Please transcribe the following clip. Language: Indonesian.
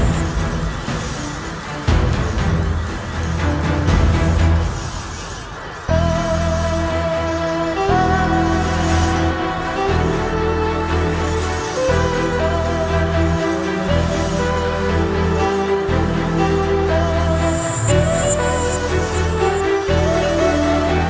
sekarang gusti prabu berbalik paham